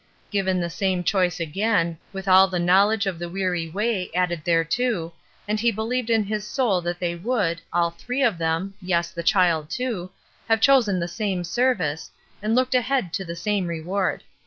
Given the same choice again, with all the knowledge of the weary way added thereto, and he be lieved in his soul that they would, all three of them, yes, the child too, have chosen the same service, and looked ahead to the same reward.